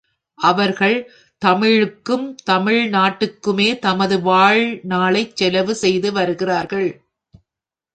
அவர்கள் தமிழுக்கும் தமிழ் நாட்டிற்குமே தமது வாழ் நாளைச் செலவு செய்து வருகிறார்கள்.